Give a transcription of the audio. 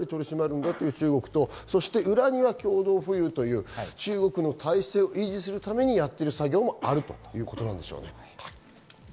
しっかり取り締まるんだという中国と、裏には共同富裕という中国の体制を維持するためにやっている作業もあるということですね。